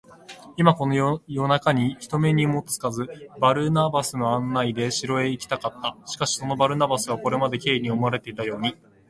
今、この夜なかに、人目にもつかず、バルナバスの案内で城へ入っていきたかった。しかし、そのバルナバスは、これまで Ｋ に思われていたように、